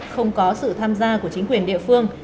không có sự tham gia của chính quyền địa phương